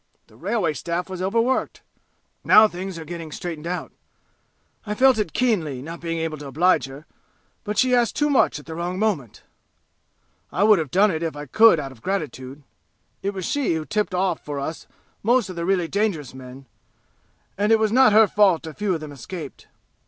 The railway staff was overworked. Now things are getting straightened out. I felt it keenly not being able to oblige her, but she asked too much at the wrong moment! I would have done it if I could out of gratitude; it was she who tipped off for us most of the really dangerous men, and it was not her fault a few of them escaped.